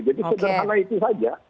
jadi sederhana itu saja